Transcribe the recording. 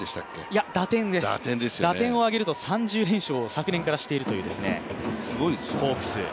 いえ、打点を挙げると３０連勝を昨年からしているというホークス。